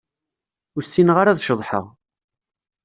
Ur ssineɣ ara ad ceḍḥeɣ.